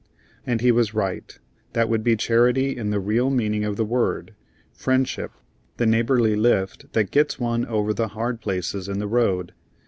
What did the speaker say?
And he was right; that would be charity in the real meaning of the word: friendship, the neighborly lift that gets one over the hard places in the road.